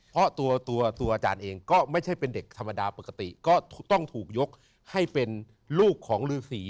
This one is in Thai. เพราะตัวตัวอาจารย์เองก็ไม่ใช่เป็นเด็กธรรมดาปกติก็ต้องถูกยกให้เป็นลูกของฤษี